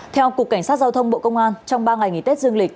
theo cục cảnh sát giao thông bộ công an trong ba ngày nghỉ tết dương lịch